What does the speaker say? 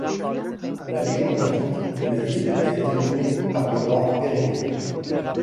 La légende indique que la ville a été nommée par le roi Peredur.